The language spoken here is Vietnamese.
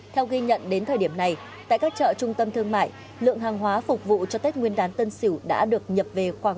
theo ghi nhận đến thời điểm này tại các chợ trung tâm thương mại lượng hàng hóa phục vụ cho tết nguyên đán tân sỉu đã được nhập về khoảng bảy mươi tám mươi